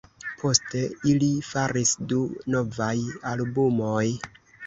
Poste ili faris du novaj albumoj.